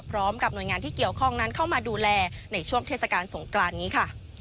พร้อมกับหน่วยงานที่เกี่ยวข้องนั้นเข้ามาดูแลในช่วงเทศกาลสงกรานนี้ค่ะ